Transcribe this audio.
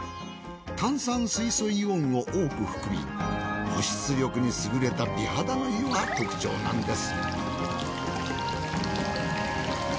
炭酸水素イオンを多く含み保湿力に優れた美肌の湯が特徴なんです。